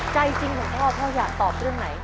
ใจจริงของพ่อพ่ออยากตอบเรื่องไหน